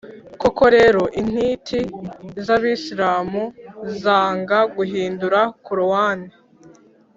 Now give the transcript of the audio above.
koko rero, intiti z’abisilamu zanga guhindura korowani.